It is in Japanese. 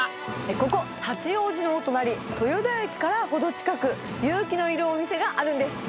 ここ、八王子のお隣、豊田駅から程近く、勇気のいるお店があるんです。